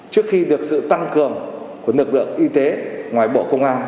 trước khi được sự tăng cường của lực lượng y tế ngoài bộ công an